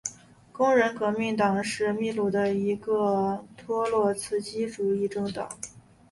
工人革命党是秘鲁的一个托洛茨基主义政党。